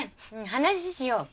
話しよう！